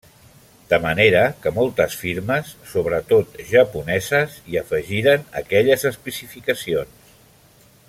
De manera que moltes firmes, sobretot japoneses, hi afegiren aquelles especificacions.